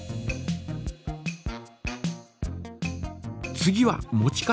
次は持ち方。